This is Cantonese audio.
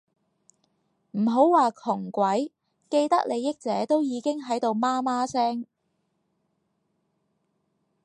唔好話窮鬼，既得利益者都已經喺度媽媽聲